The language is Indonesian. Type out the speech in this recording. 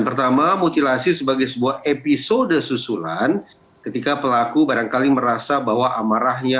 pertama mutilasi sebagai sebuah episode susulan ketika pelaku barangkali merasa bahwa amarahnya